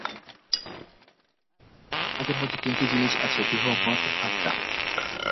তোমাদের মধ্যে তিনটি জিনিষ আছে দেহ, মন ও আত্মা।